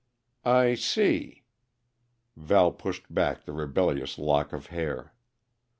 "I see." Val pushed back the rebellious lock of hair.